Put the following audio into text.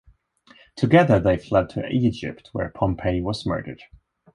Together, they fled to Egypt where Pompey was murdered.